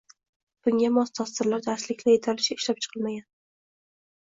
bunga mos dasturlar, darsliklar yetarlicha ishlab chiqilmagan